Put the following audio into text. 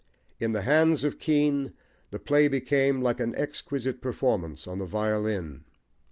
In the hands of Kean the play became like an exquisite performance on the violin.